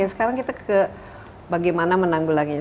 sekarang kita ke bagaimana menanggulanginya